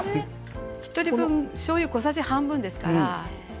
１人分しょうゆ小さじ半分ですから。